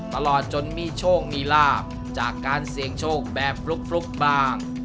ตลอดจนมีโชคมีลาบจากการเสี่ยงโชคแบบฟลุกบ้าง